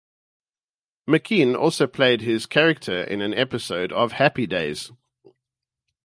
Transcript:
McKean also played his character in an episode of "Happy Days".